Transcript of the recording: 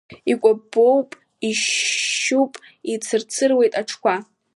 Икәабоуп, ишьшьуп, ицырцыруеит аҽқәа.